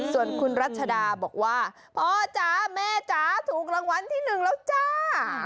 ส่วนคุณรัชดาบอกว่าพ่อจ๋าแม่จ๋าถูกรางวัลที่๑แล้วจ้า